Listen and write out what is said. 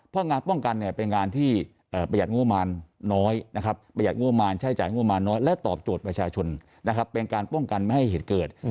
เพราะงานป้องกันเป็นงานที่ประหยัดงบประมาณน้อยนะครับประหยัดงบประมาณใช้จ่ายงบมารน้อยและตอบโจทย์ประชาชนนะครับเป็นการป้องกันไม่ให้เหตุเกิด